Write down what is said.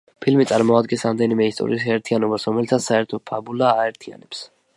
ფილმი წარმოადგენს რამდენიმე ისტორიის ერთიანობას, რომელთაც საერთო ფაბულა აერთიანებს.